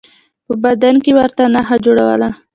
په بدن به یې ورته نښه جوړوله.